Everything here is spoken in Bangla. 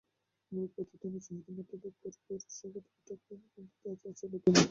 আমরা প্রতিদিনের চাহিদা মোতাবেক করপোরেট শাখা থেকে টাকা এনে ব্যাংক চালাতাম।